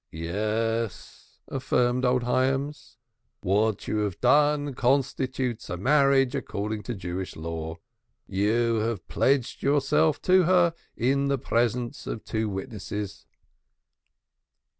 "Yes," affirmed old Hyams. "What you have done constitutes a marriage according to Jewish law. You have pledged yourself to her in the presence of two witnesses."